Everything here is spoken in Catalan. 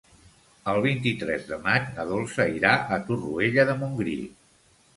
El vint-i-tres de maig na Dolça irà a Torroella de Montgrí.